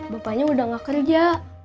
bapaknya udah gak kerja